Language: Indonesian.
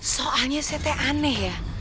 soalnya sete aneh ya